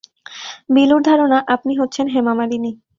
বিলুর ধারণা, আপনি হচ্ছেন হেমা মালিনী।